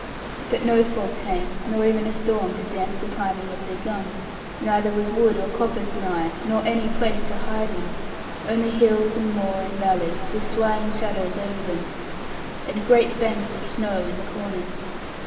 But no fog came, nor even a storm to damp the priming of their guns; neither was wood or coppice nigh, nor any place to hide in; only hills, and moor, and valleys; with flying shadows over them, and great banks of snow in the corners.